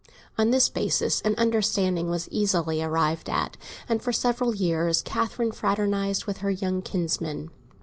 On this basis an understanding was easily arrived at, and for several years Catherine fraternised with her young kinsmen.